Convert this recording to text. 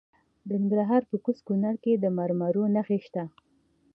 د ننګرهار په کوز کونړ کې د مرمرو نښې شته.